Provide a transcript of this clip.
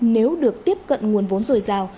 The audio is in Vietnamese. nếu được tiếp cận nguồn vốn rồi rào